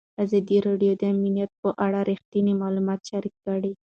ازادي راډیو د امنیت په اړه رښتیني معلومات شریک کړي.